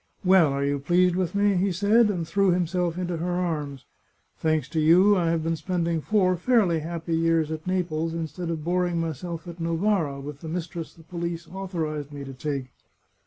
"Well, are you pleased with me?" he said, and threw himself into her arms. " Thanks to you, I have been spend ing four fairly happy years at Naples, instead of boring myself at Novara with the mistress the police authorized me to take."